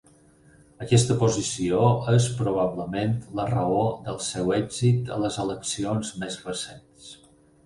Aquesta posició és probablement la raó del seu èxit a les eleccions més recents.